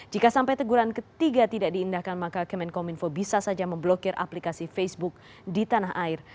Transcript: jika sampai teguran ketiga tidak diindahkan maka kemenkominfo bisa saja memblokir aplikasi facebook di tanah air